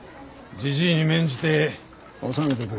じじいに免じて収めてくれ。